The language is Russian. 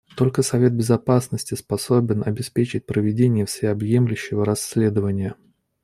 Только Совет Безопасности способен обеспечить проведение всеобъемлющего расследования.